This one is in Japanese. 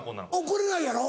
怒れないやろ？